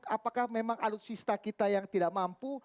apakah memang alutsista kita yang tidak mampu